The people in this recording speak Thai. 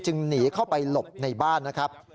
หนีเข้าไปหลบในบ้านนะครับ